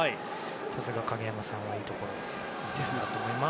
さすが、影山さんはいいところを見てるなと思います。